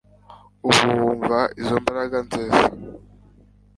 uba wumva izo mbaraga nziza